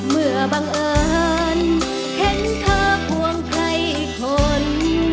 เมื่อบังเอิญเห็นเธอกว้างใครคน